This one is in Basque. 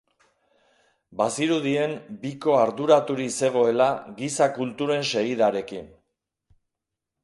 Bazirudien Vico arduraturik zegoela giza kulturen segidarekin.